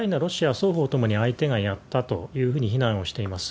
双方ともに、相手がやったというふうに非難をしています。